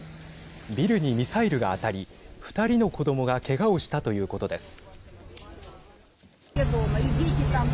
ビルにミサイルが当たり２人の子どもがけがをしたということです。